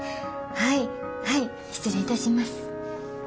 はいはい失礼いたします。